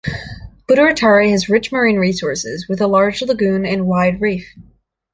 Butaritari has rich marine resources, with a large lagoon and wide reef.